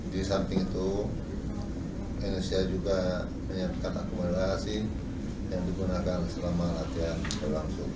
di samping itu indonesia juga menyiapkan akomodasi yang digunakan selama latihan berlangsung